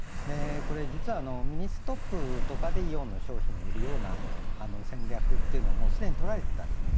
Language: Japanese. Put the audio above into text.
実はミニストップとかでイオンの商品を売るような戦略っていうのも既にとられていたわけですね。